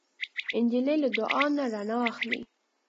نجلۍ له دعا نه رڼا اخلي.